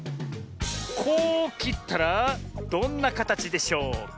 こうきったらどんなかたちでしょうか？